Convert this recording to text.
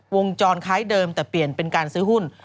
วงจรคล้ายเดิมแต่เปลี่ยนเป็นการซื้อหุ้น